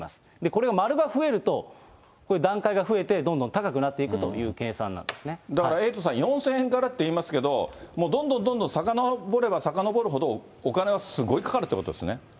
これ、丸が増えると、これ段階が増えて、どんどん高くなっていくという計だからエイトさん、４０００円からといいますけど、もうどんどんどんどん、さかのぼればさかのぼるほど、お金はすごいかかるということですね。